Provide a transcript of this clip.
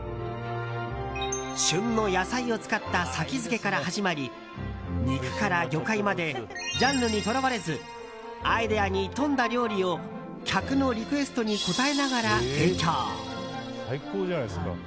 旬の野菜を使った先付けから始まり肉から魚介までジャンルにとらわれずアイデアに富んだ料理を客のリクエストに応えながら提供。